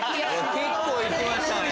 結構行きましたね。